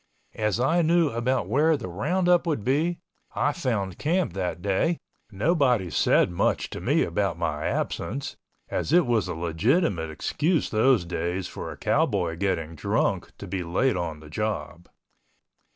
As I knew about where the roundup would be, I found camp that day, nobody said much to me about my absence, as it was a legitimate excuse those days for a cowboy getting drunk to be late on the job.